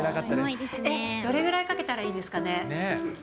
どれぐらいかけたらいいですかね。